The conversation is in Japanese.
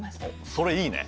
それいいね。